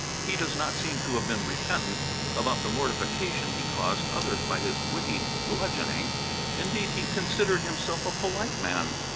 He does not seem to have been repentant about the mortification he caused others by his witty bludgeoning indeed he considered himself a polite man!